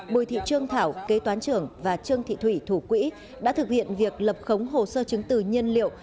bùi thị trương thảo kế toán trưởng và trương thị thủy thủ quỹ đã thực hiện việc lập khống hồ sơ chứng từ nhân liệu